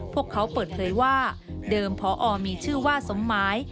พวกเขาเปิดเผยว่าเดิมพอมีชื่อว่าสมหมาย